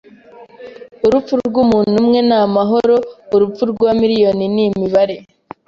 Urupfu rwumuntu umwe ni amahano, urupfu rwa miriyoni ni imibare